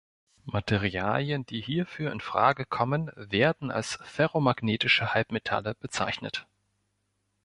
Materialien die hierfür in Frage kommen werden als "ferromagnetische Halbmetalle" bezeichnet.